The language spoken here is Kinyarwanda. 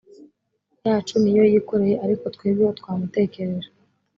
yacu ni yo yikoreye ariko twebweho twamutekereje